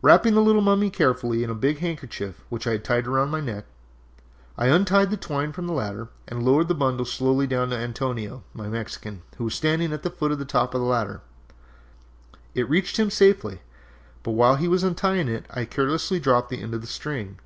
"Wrapping the little mummy carefully in a big handkerchief which I had tied round my neck, I untied the twine from the ladder, and lowered the bundle slowly down to Antonio, my Mexican, who was standing at the foot of the top ladder. It reached him safely, but while he was untying it I carelessly dropped the end of the string.